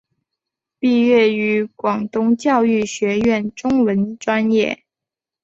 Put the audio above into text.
毕业于广东教育学院中文专业。